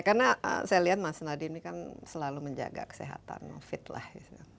karena saya lihat mas nadine selalu menjaga kesehatan fit lah